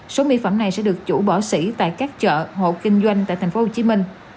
số mỹ phẩm này sẽ được chủ bỏ xỉ tại các chợ hộ kinh doanh tại tp hcm